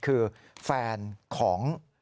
คือแฟนของ